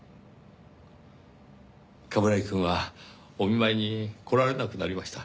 冠城くんはお見舞いに来られなくなりました。